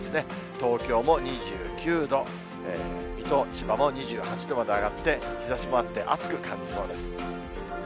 東京も２９度、水戸、千葉も２８度まで上がって、日ざしもあって暑く感じそうです。